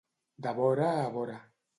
De vora a vora.